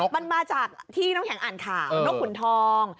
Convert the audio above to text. มันมาจากที่น้ำแข็งอ่านข่าวนกขุนทอง